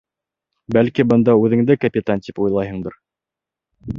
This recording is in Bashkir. Бәлки, бында үҙеңде капитан тип уйлайһыңдыр?